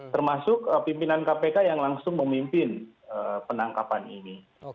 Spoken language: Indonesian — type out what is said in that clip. termasuk pimpinan kpk yang langsung memimpin penangkapan ini